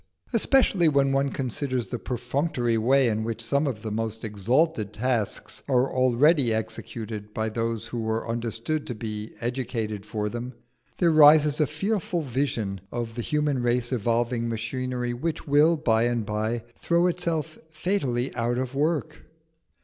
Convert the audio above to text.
Especially, when one considers the perfunctory way in which some of the most exalted tasks are already executed by those who are understood to be educated for them, there rises a fearful vision of the human race evolving machinery which will by and by throw itself fatally out of work.